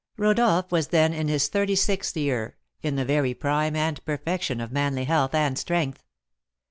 Rodolph was then in his thirty sixth year, in the very prime and perfection of manly health and strength.